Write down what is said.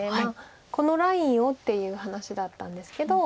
このラインをっていう話だったんですけど。